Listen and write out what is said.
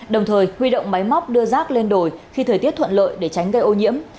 đồng thời huy động máy móc đưa rác lên đồi khi thời tiết thuận lợi để tránh gây ô nhiễm